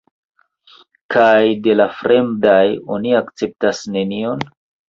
Kaj de la fremdaj oni akceptas nenion?